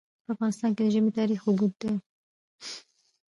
په افغانستان کې د ژمی تاریخ اوږد دی.